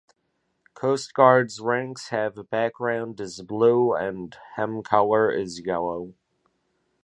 Coast Guard's ranks have background is blue and hem colour is yellow.